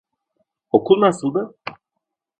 Okul nasıldı?